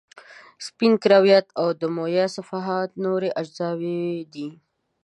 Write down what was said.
سپین کرویات او دمویه صفحات نورې اجزاوې دي.